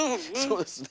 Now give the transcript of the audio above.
そうですね。